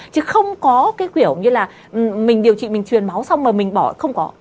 chứ không có cái biểu như là mình điều trị mình truyền máu xong rồi mình bỏ không có